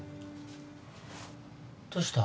どうした？